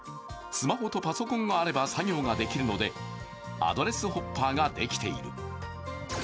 スマホとパソコンがあれば作業ができるので、アドレスホッパーができている。